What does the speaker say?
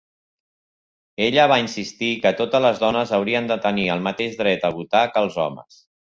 Ella va insistir que totes les dones haurien de tenir el mateix dret a votar que els homes.